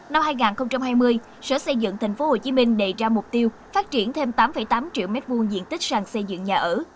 năm hai nghìn hai mươi sở xây dựng tp hcm đề ra mục tiêu phát triển thêm tám tám triệu m hai diện tích sàn xây dựng nhà ở